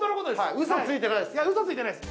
ウソついてないです。